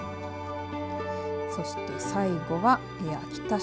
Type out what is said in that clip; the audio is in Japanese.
そして最後は秋田市。